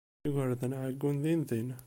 Igerdan ɛeyyun dindin.